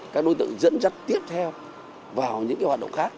các đối tượng dẫn dắt tiếp theo vào những hoạt động khác